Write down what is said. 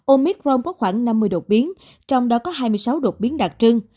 omicron có khoảng năm mươi đột biến trong đó có hai mươi sáu đột biến đặc trưng